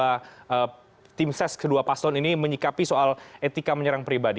karena tim ses kedua paslon ini menyikapi soal etika menyerang pribadi